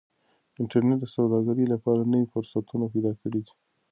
انټرنيټ د سوداګرۍ لپاره نوي فرصتونه پیدا کړي دي.